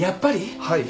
はい。